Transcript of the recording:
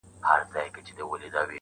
د نادانی عمر چي تېر سي نه راځینه!.